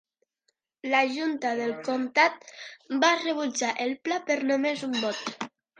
La junta del comtat va rebutjar el pla per només un vot.